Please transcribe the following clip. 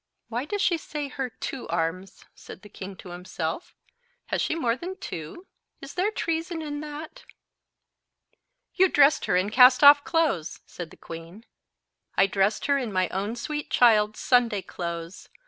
"Why does she say her two arms?" said the king to himself. "Has she more than two? Is there treason in that?" "You dressed her in cast off clothes," said the queen. "I dressed her in my own sweet child's Sunday clothes.